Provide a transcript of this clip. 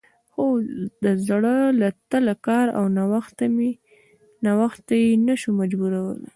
خو د زړه له تله کار او نوښت ته یې نه شو مجبورولی